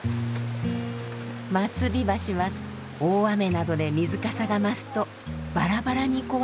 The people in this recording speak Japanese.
松日橋は大雨などで水かさが増すとバラバラに壊れる流れ橋。